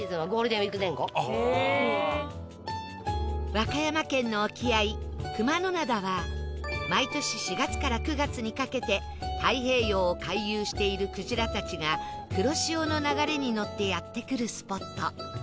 和歌山県の沖合熊野灘は毎年４月から９月にかけて太平洋を回遊しているくじらたちが黒潮の流れに乗ってやって来るスポット